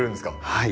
はい。